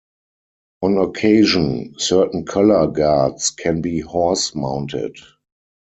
On occasion, certain color guards can be horse-mounted.